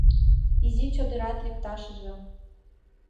Изи чодырат лекташыже